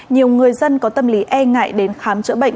nhiều người dân có tâm lý e ngại đến khám chữa bệnh